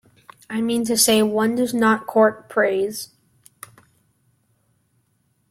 I mean to say, one does not court praise.